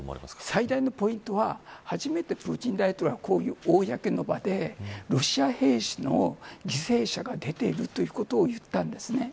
最大のポイントは初めてプーチン大統領がこういう公の場で、ロシア兵士の犠牲者が出ているということを言ったんです。